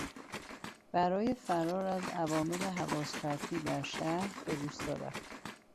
برای فرار از عوامل حواسپرتی در شهر به روستا رفت.